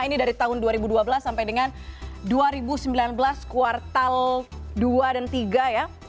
ini dari tahun dua ribu dua belas sampai dengan dua ribu sembilan belas kuartal dua dan tiga ya